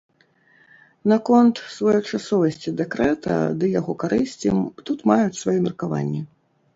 Наконт своечасовасці дэкрэта ды яго карысці тут маюць сваё меркаванне.